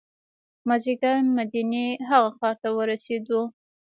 مازدیګر مدینې هغه ښار ته ورسېدو.